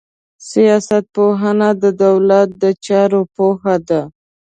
سياست پوهنه د دولت د چارو پوهه ده.